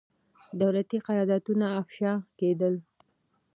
دولتي قراردادونه افشا کېدل.